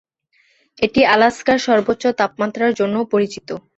এটি আলাস্কার সর্বোচ্চ তাপমাত্রার জন্যও পরিচিত।